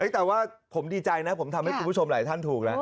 แต่ว่าผมดีใจนะผมทำให้คุณผู้ชมหลายท่านถูกแล้ว